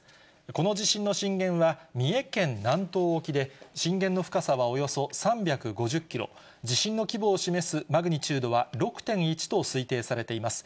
この地震の震源は三重県南東沖で、震源の深さはおよそ３５０キロ、地震の規模を示すマグニチュードは６．１と推定されています。